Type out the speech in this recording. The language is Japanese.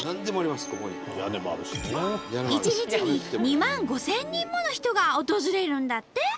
１日に２万５，０００人もの人が訪れるんだって！